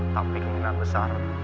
tapi keinginan besar